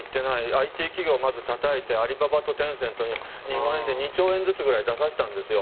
ＩＴ企業をたたいてアリババとテンセントに日本円で２兆円ずつくらい出させたんですよ。